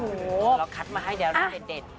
เราคัดมาให้เดี๋ยวหน้าให้เด็ด